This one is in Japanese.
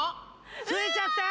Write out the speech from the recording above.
ついちゃった？